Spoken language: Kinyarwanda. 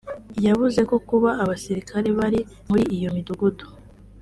yavuze ko kuba abasilikare bari muri iyo midugudu